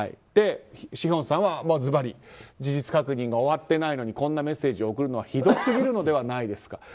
シヒョンさんは事実確認が終わっていないのにこんなメッセージを送るのはひどすぎるのではないですか。